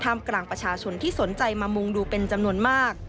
กลางประชาชนที่สนใจมามุงดูเป็นจำนวนมาก